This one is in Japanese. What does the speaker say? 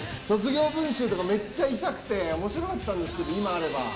卒業文集とかめっちゃいたくて、おもしろかったんですけど、今あれば。